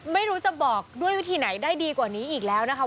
ไม่รู้จะบอกด้วยวิธีไหนได้ดีกว่านี้อีกแล้วนะคะ